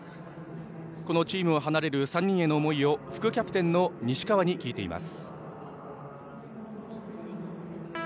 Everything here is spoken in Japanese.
チームを離れる３人への思いを副キャプテンの西川に聞いています。